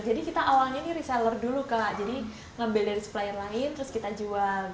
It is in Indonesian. jadi kita awalnya reseller dulu jadi ngambil dari supplier lain terus kita jual